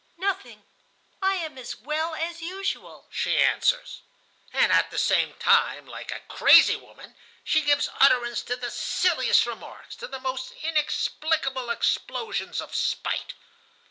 "'Nothing, I am as well as usual,' she answers. "And at the same time, like a crazy woman, she gives utterance to the silliest remarks, to the most inexplicable explosions of spite.